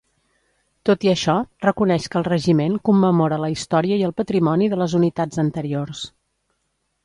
Tot i això, reconeix que el Regiment commemora la història i el patrimoni de les unitats anteriors.